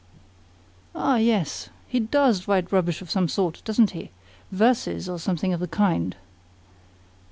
"Ah, yes; he DOES write rubbish of some sort, doesn't he? Verses, or something of the kind?"